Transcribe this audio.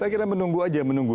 saya kira menunggu aja menunggu